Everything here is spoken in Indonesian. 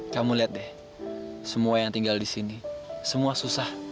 kamu lihat deh semua yang tinggal di sini semua susah